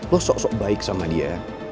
loh sok sok baik sama dia